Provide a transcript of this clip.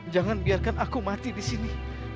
jangan biarkan aku mati disini